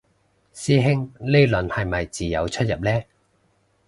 師兄呢輪係咪自由出入嘞